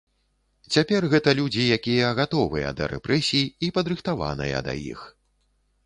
Цяпер гэта людзі, якія гатовыя да рэпрэсій і падрыхтаваная да іх.